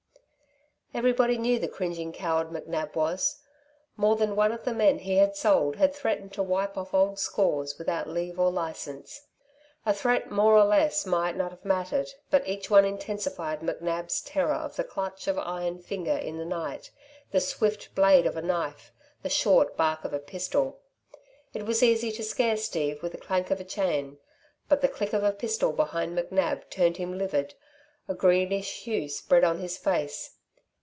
Everybody knew the cringing coward McNab was. More than one of the men he had sold had threatened to wipe off old scores without leave or licence. A threat more or less might not have mattered, but each one intensified McNab's terror of the clutch of iron finger in the night, the swift blade of a knife, the short bark of a pistol. It was easy to scare Steve with a clank of a chain, but the click of a pistol behind McNab turned him livid, a greenish hue spread on his face.